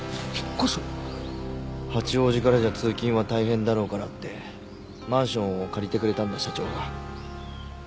八王子からじゃ通勤は大変だろうからってマンションを借りてくれたんだ社長が。